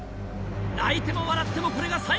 泣いても笑ってもこれが最後。